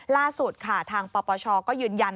ล่าสุดค่ะทางปปชก็ยืนยัน